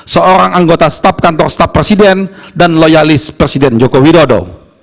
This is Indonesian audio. seorang anggota staf kantor staf presiden dan loyalis presiden joko widodo